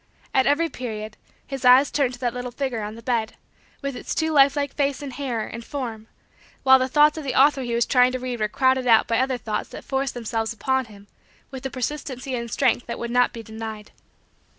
At every period, his eyes turned to that little figure on the bed, with its too lifelike face and hair and form while the thoughts of the author he was trying to read were crowded out by other thoughts that forced themselves upon him with a persistency and strength that would not be denied.